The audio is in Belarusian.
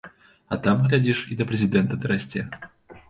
А там, глядзіш, і да прэзідэнта дарасце.